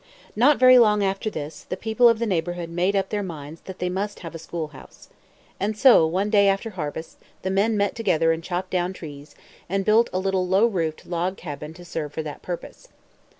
Not very long after this, the people of the neighborhood made up their minds that they must have a school house. And so, one day after harvest, the men met together and chopped down trees, and built a little low roofed log cabin to serve for that purpose.